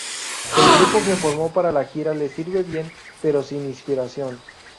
El grupo que formó para la gira le sirve bien, pero sin inspiración...